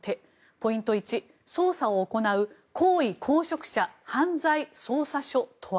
ポイント１、捜査を行う高位公職者犯罪捜査処とは？